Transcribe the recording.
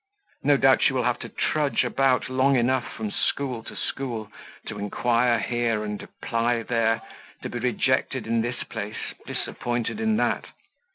No doubt she will have to trudge about long enough from school to school, to inquire here, and apply there be rejected in this place, disappointed in that.